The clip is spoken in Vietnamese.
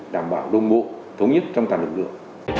đảm bảo đồng bộ thống nhất trong toàn lực lượng